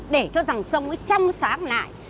để cho dòng sông nó trong sáng lại